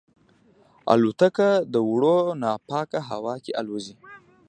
الوتکه د دوړو نه پاکه هوا کې الوزي.